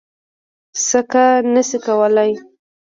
څکه نه شي کولی.